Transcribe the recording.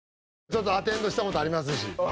ちょっとアテンドした事ありますし。